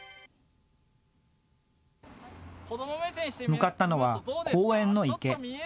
向かったのは公園の池。